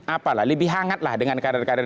apalah lebih hangatlah dengan karir karir